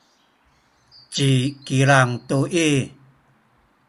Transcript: ci Kilang tu i